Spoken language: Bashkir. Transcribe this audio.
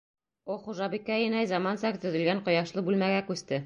О хужабикә инәй заманса төҙөлгән ҡояшлы бүлмәгә күсте.